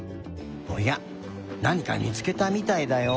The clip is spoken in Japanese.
おやなにかみつけたみたいだよ。